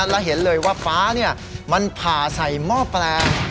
และเห็นเลยว่าฟ้ามันผ่าใส่หม้อแปลง